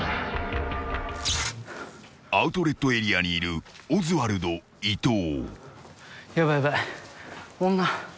［アウトレットエリアにいるオズワルド伊藤］